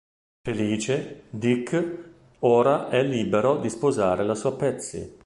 Felice, Dick ora è libero di sposare la sua Patsy.